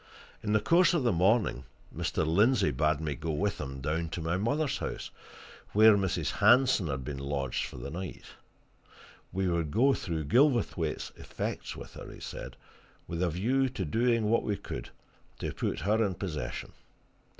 In the course of the morning Mr. Lindsey bade me go with him down to my mother's house, where Mrs. Hanson had been lodged for the night we would go through Gilverthwaite's effects with her, he said, with a view to doing what we could to put her in possession.